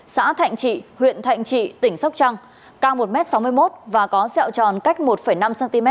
xã thạnh trị huyện thạnh trị tỉnh sóc trăng cao một m sáu mươi một và có sẹo tròn cách một năm cm